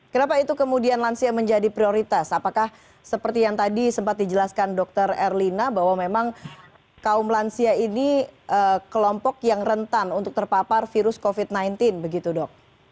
kenapa itu kemudian lansia menjadi prioritas apakah seperti yang tadi sempat dijelaskan dr erlina bahwa memang kaum lansia ini kelompok yang rentan untuk terpapar virus covid sembilan belas begitu dok